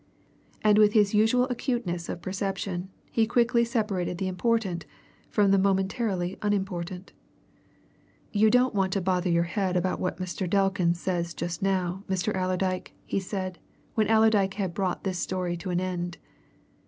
And with his usual acuteness of perception he quickly separated the important from the momentarily unimportant. "You don't want to bother your head about what Mr. Delkin says just now, Mr. Allerdyke," he said, when Allerdyke had brought this story to an end.